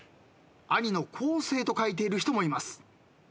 兄の「こうせい」と書いている人もいます。